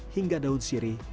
hingga daun sirih